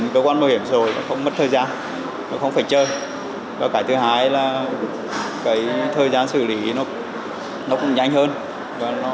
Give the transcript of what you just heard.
bảo hiểm xã hội tỉnh nghệ an